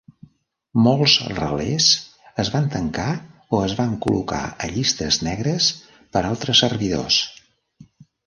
Molts relés es van tancar o es van col·locar a llistes negres per altres servidors.